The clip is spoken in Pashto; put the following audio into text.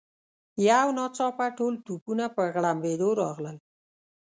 یو ناڅاپه ټول توپونه په غړمبېدو راغلل.